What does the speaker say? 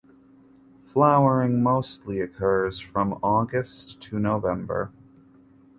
Flowering mostly occurs from August to November.